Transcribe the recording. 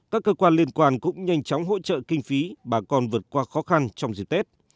các cơ quan liên quan cũng nhanh chóng hỗ trợ kinh phí bà con vượt qua khó khăn trong dịp tết